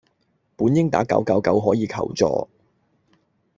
本應打九九九可以求助